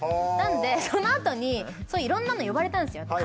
なんでそのあとにいろんなの呼ばれたんですよ